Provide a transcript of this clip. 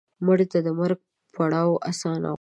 مړه ته د مرګ پړاو آسان غواړو